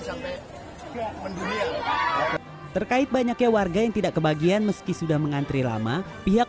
sampai terkait banyaknya warga yang tidak kebagian meski sudah mengantri lama pihak